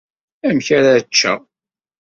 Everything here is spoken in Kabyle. Amek ara ččeɣ?